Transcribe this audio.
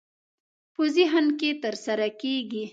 په ذهن کې ترسره کېږي.